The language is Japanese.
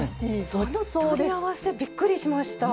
その組み合わせびっくりしました。